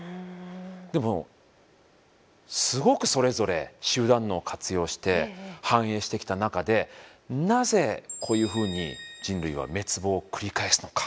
でもすごくそれぞれ集団脳を活用して繁栄してきた中でなぜこういうふうに人類は滅亡を繰り返すのか。